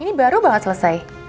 ini baru banget selesai